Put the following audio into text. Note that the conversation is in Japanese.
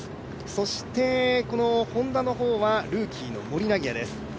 そしてＨｏｎｄａの方はルーキーの森凪也です。